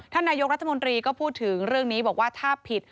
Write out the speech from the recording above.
นายกรัฐมนตรีก็พูดถึงเรื่องนี้บอกว่าถ้าผิด